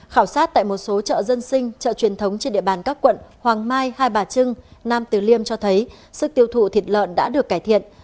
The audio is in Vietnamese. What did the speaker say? khảo sát tại một số chợ dân sinh chợ truyền thống trên địa bàn các quận hoàng mai hai bà trưng nam tử liêm cho thấy sức tiêu thụ thịt lợn đã được cải thiện